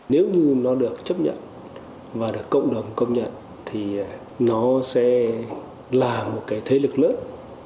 nếu như nó được chấp nhận và được cộng đồng công nhận thì nó sẽ là một cái thế lực lớn